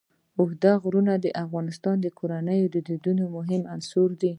اوږده غرونه د افغان کورنیو د دودونو مهم عنصر دی.